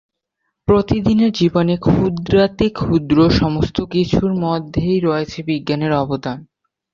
প্রতিদিনের জীবনে ক্ষুদ্রাতিক্ষুদ্র সমস্ত কিছুর মধ্যেই রয়েছে বিজ্ঞানের অবদান।